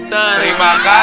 terima kasih bapak penjaga